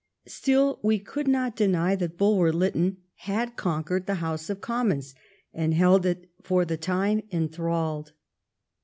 Still, we could not deny that Bulwer Lytton had conquered the House of Commons and held it for the time enthralled.